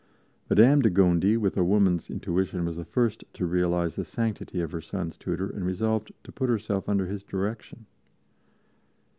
Madame de Gondi, with a woman's intuition, was the first to realize the sanctity of her sons' tutor and resolved to put herself under his direction.